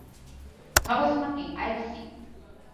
鹿児島県姶良市